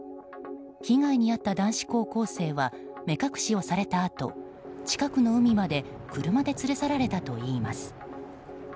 被害に遭った男子高校生は目隠しをされたあと近くの海まで車で連れ去られたといいます。